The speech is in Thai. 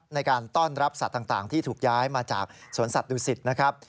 ในการต้อนรับสัตว์ต่างที่ถูกย้ายมาจากสวนสัตวศิษฐ์นะครับ